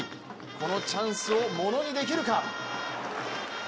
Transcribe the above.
このチャンスをものにできるか？